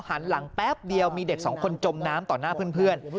หันหลังแป๊บเดียวมีเด็กสองคนจมน้ำต่อหน้าเพื่อน